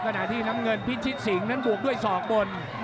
ขณะที่น้ำเงินพิชิตสิงห์นั้นบวกด้วยศอกบน